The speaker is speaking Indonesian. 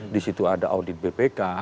disitu ada audit bpk